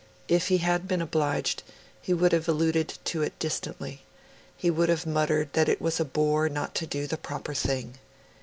If he had been obliged, he would have alluded to it distantly; he would have muttered that it was a bore not to do the proper thing.